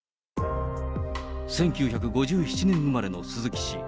１９５７年生まれの鈴木氏。